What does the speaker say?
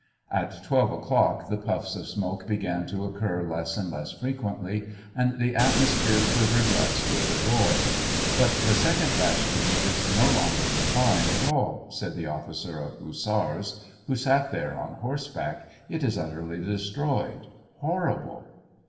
At twelve o'clock, the puffs of smoke began to occur less and less fequently, and the atmosphere quivered less with the roar. " But the second bastion is no longer replying 244 SEVASTOPOL IN AUGUST. at all," said the officer of hussars, who sat there on horseback; "it is utterly destroyed! Hor rible